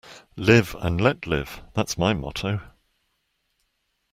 Live and let live, that's my motto.